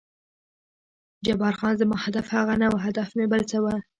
جبار خان: زما هدف هغه نه و، هدف مې بل څه و.